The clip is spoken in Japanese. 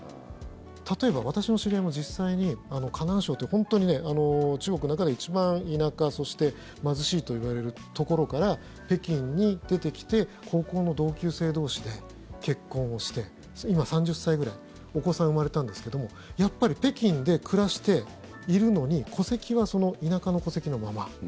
例えば、私の知り合いも実際に河南省という本当に中国の中で一番田舎そして貧しいといわれるところから北京に出てきて高校の同級生同士で結婚をして今、３０歳くらいお子さん生まれたんですけどもやっぱり北京で暮らしているのに戸籍は田舎の戸籍のまま。